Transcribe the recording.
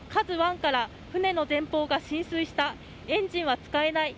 ＫＡＺＵ１から船の前方が浸水したエンジンは使えない。